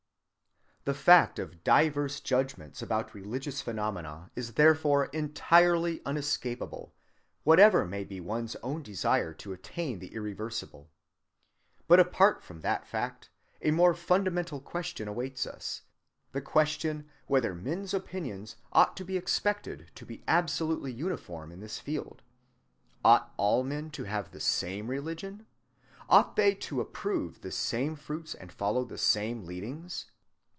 The fact of diverse judgments about religious phenomena is therefore entirely unescapable, whatever may be one's own desire to attain the irreversible. But apart from that fact, a more fundamental question awaits us, the question whether men's opinions ought to be expected to be absolutely uniform in this field. Ought all men to have the same religion? Ought they to approve the same fruits and follow the same leadings?